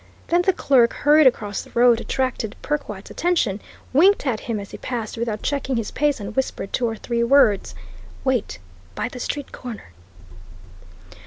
Then the clerk hurried across the road, attracted Perkwite's attention, winked at him as he passed without checking his pace, and whispered two or three words. "Wait by the street corner!"